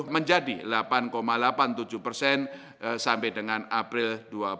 menjadi delapan delapan puluh tujuh persen sampai dengan april dua ribu dua puluh